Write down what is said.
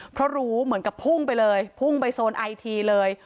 เพราะรู้เหมือนกับพุ่งไปเลยพุ่งไปโซนไอทีเลย